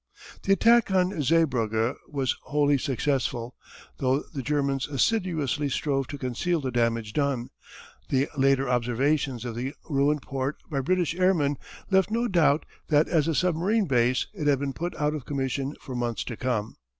The attack on Zeebrugge was wholly successful. Though the Germans assiduously strove to conceal the damage done, the later observations of the ruined port by British airmen left no doubt that as a submarine base it had been put out of commission for months to come.